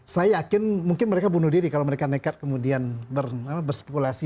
saya yakin mungkin mereka bunuh diri kalau mereka nekat kemudian berspekulasi